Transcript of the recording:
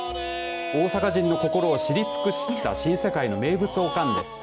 大阪人の心を知り尽くした新世界の名物おかんです。